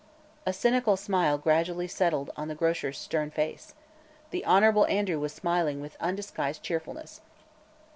A cynical smile gradually settled on the grocer's stern face. The Hon. Andrew was smiling with undisguised cheerfulness.